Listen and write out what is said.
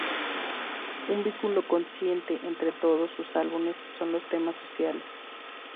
Un vínculo consistente entre todos sus álbumes son los temas sociales.